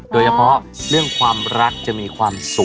โดยเฉพาะเรื่องความรักจะมีความสุข